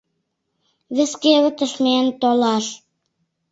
Вес кевытыш миен толаш.